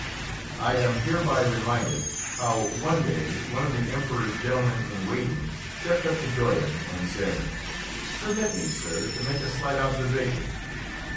I am hereby reminded how, one day, one of the Emperor's gentlemen in waiting stepped up to Doyen and said: "Permit me, sir, to make a slight observation.